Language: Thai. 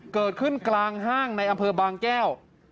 เกิดขึ้นกลางห้างในอำเภอบางแก้ว